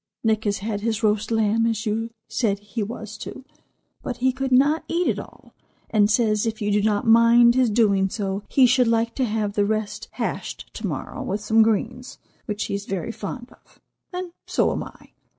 Nick has had his roast lamb, as you said he was to, but he could not eat it all, and says if you do not mind his doing so he should like to have the rest hashed to morrow with some greens, which he is very fond of, and so am I.